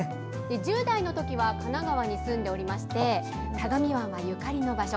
１０代の時は神奈川に住んでおりまして相模湾はゆかりの場所。